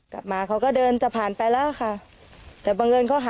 กลับมาเขาก็เดินจะผ่านไปแล้วค่ะ